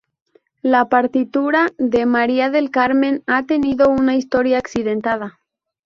La partitura de "María del Carmen" ha tenido una historia accidentada.